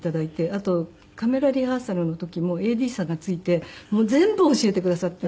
あとカメラリハーサルの時もＡＤさんがついて全部教えてくださって。